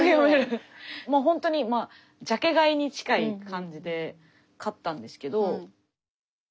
もうほんとにジャケ買いに近い感じで買ったんですけど。